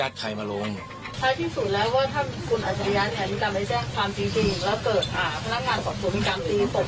แล้วเปิดพลังงานของกรภพิการตีตกหัวเรื่องในปากพระเนจแต่งเอง